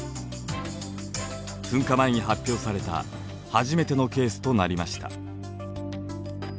噴火前に発表された初めてのケースとなりました。